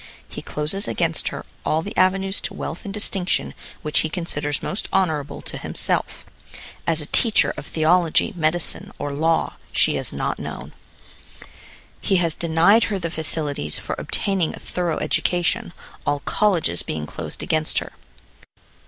He closes against her all the avenues to wealth and distinction which he considers most honorable to himself. As a teacher of theology, medicine, or law, she is not known. He has denied her the facilities for obtaining a thorough education, all colleges being closed against her.